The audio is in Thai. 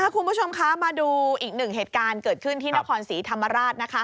คุณผู้ชมคะมาดูอีกหนึ่งเหตุการณ์เกิดขึ้นที่นครศรีธรรมราช